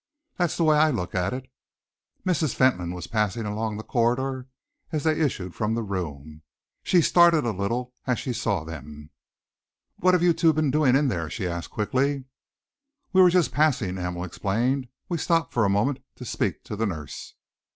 That's the way I look at it." Mrs. Fentolin was passing along the corridor as they issued from the room. She started a little as she saw them. "What have you two been doing in there?" she asked quickly. "We were just passing," Hamel explained. "We stopped for a moment to speak to the nurse."